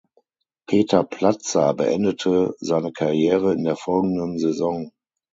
Peter Platzer beendete seine Karriere in der folgenden Saison.